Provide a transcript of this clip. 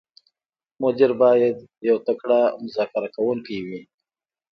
مدیر باید یو تکړه مذاکره کوونکی وي.